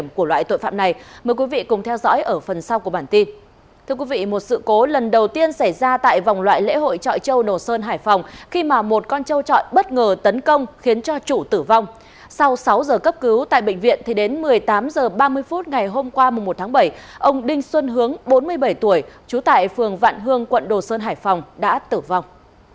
sau sáu giờ cấp cứu tại bệnh viện thì đến một mươi tám h ba mươi phút ngày hôm qua một tháng bảy ông đinh xuân hướng bốn mươi bảy tuổi trú tại phường vạn hương quận đồ sơn hải phòng đã tử vong